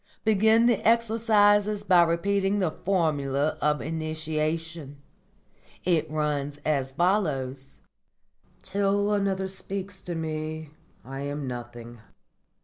Begin the exercises by repeating the Formula of Initiation. It runs as follows: '_Till another speaks to me I am nothing.